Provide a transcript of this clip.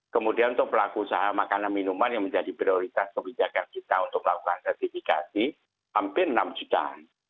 kemudian untuk pelaku usaha makanan minuman yang menjadi prioritas kebijakan kita untuk melakukan sertifikasi hampir enam jutaan